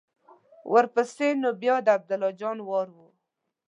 ورپسې نو بیا د عبدالله جان وار و.